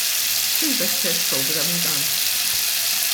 X'investor ' s programme hu dan?